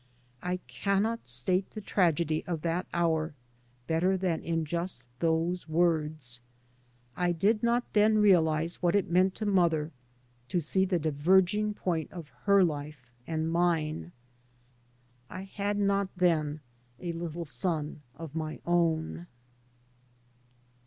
I can not state the tragedy of that hour better than in just those words. I did not then realise what it meant to mother to see the diverging point of her life and mine. I had not then a little son of my own.